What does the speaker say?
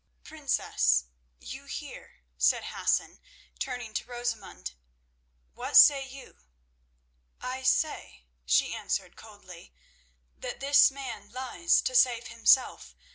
"Princess, you hear," said Hassan, turning to Rosamund. "What say you?" "I say," she answered coldly, "that this man lies to save himself.